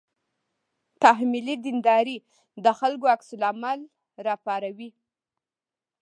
تحمیلي دینداري د خلکو عکس العمل راپاروي.